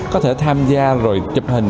có thể tham gia rồi chụp hình